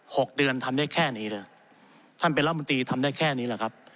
หกเดือนทำได้แค่นี้เลยท่านเป็นรัฐมนตรีทำได้แค่นี้แหละครับ